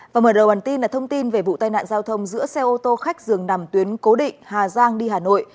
và mở đầu bản tin là thông tin về vụ tai nạn giao thông giữa xe ô tô khách dường nằm tuyến cố định hà giang đi hà nội